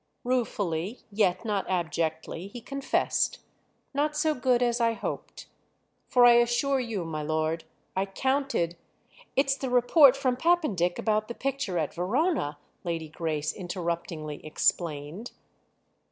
Ruefully, yet not abjectly, he confessed, "Not so good as I hoped. For I assure you, my lord, I counted—" "It's the report from Pappendick about the picture at Verona," Lady Grace interruptingly explained.